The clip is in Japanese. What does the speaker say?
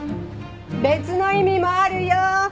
別の意味もあるよ！